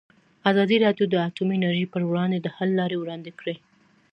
ازادي راډیو د اټومي انرژي پر وړاندې د حل لارې وړاندې کړي.